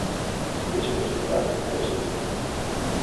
Vis wordt gebruikt om vis te voeden.